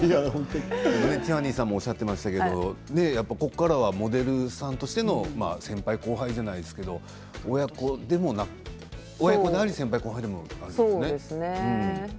ティファニーさんもおっしゃってましたけどここからはモデルさんとしての先輩後輩じゃないですけど親子でもあり先輩後輩でもあるというね。